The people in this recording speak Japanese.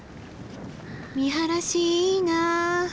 見晴らしいいな。